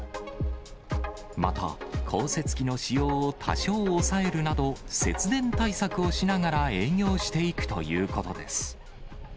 また、降雪機の使用を多少抑えるなど、節電対策をしながら営業していくということです。